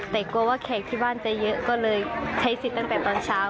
แต่กลัวว่าแขกที่บ้านจะเยอะก็เลยใช้สิทธิ์ตั้งแต่ตอนเช้า